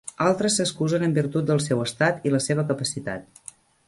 Altres s'excusen en virtut del seu estat i la seva capacitat.